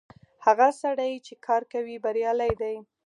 هغه سړی چې کار کوي بريالی دی.